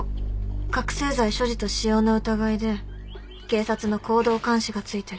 覚醒剤所持と使用の疑いで警察の行動監視がついてる。